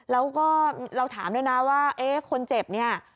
แล้วก็เราถามด้วยนะว่าเอ๊ะคนเจ็บเนี่ย